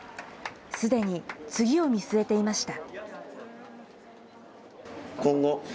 すでに次を見据えていました。